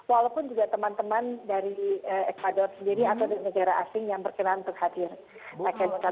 walaupun juga teman teman dari ecuador sendiri atau dari negara asing yang berkenan untuk hadir